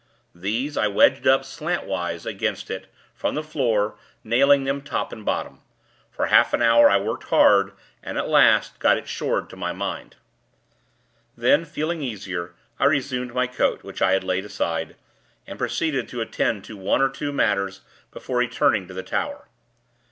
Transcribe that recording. These, I wedged up, slantwise, against it, from the floor, nailing them top and bottom. For half an hour, I worked hard, and, at last, got it shored to my mind. Then, feeling easier, I resumed my coat, which I had laid aside, and proceeded to attend to one or two matters before returning to the tower.